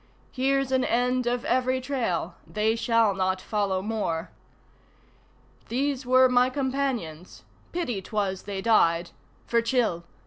Here's an end of every trail they shall not follow more. These were my companions. Pity 'twas they died! (For Chil!